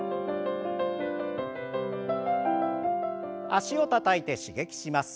脚をたたいて刺激します。